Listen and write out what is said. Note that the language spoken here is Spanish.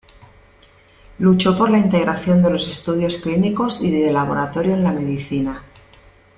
Luchó por la integración de los estudios clínicos y de laboratorio en la medicina.